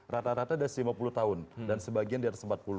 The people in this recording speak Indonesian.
rata rata di atas lima puluh tahun dan sebagian di atas empat puluh